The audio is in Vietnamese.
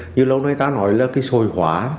như lâu nay ta nói là cái sồi hóa